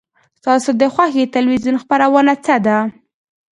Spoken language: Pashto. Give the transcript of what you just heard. ستا د خوښې تلویزیون خپرونه څه ده؟